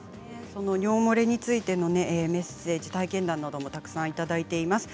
尿漏れについてのメッセージ、体験談などもいただいています。